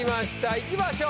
いきましょう。